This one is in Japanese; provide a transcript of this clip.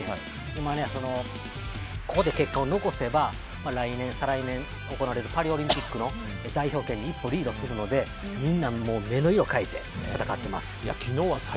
今、ここで結果を残せば再来年のパリオリンピックの代表権一歩リードするのでみんな目の色を変えて頑張ってます。